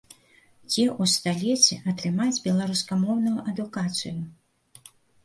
Дзе ў сталіцы атрымаць беларускамоўную адукацыю.